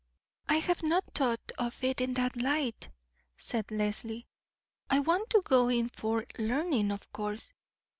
"I have not thought of it in that light," said Leslie. "I want to go in for learning, of course.